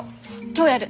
今日やる！